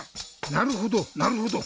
なるほどなるほど。